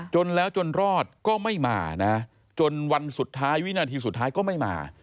จนแล้วจนรอดก็ไม่มานะจนวันสุดท้ายวินาทีสุดท้ายก็ไม่มา